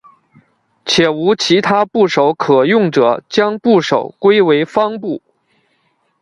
且无其他部首可用者将部首归为方部。